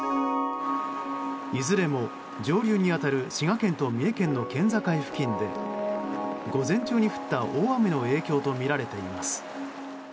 いずれも上流に当たる滋賀県と三重県の県境付近で午前中に降った大雨の影響とみられています。